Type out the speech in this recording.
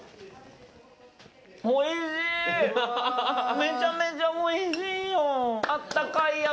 めちゃめちゃおいしいよ。